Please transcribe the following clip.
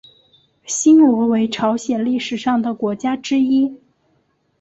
新罗为朝鲜历史上的国家之一。